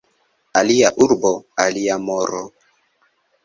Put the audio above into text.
Alia urbo, alia moro.